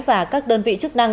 và các đơn vị chức năng